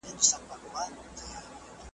د آزادي نړۍ دغه کرامت دی .